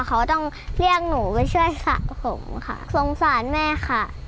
เขาต้องเรียกหนูไปช่วยสระผมค่ะสงสารแม่ค่ะ